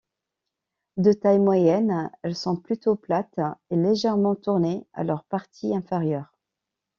De taille moyenne, elles sont plutôt plates et légèrement tournées à leur partie inférieure.